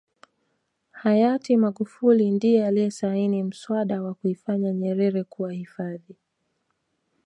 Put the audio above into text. hayati magufuli ndiye aliyesaini mswada wa kuifanya nyerere kuwa hifadhi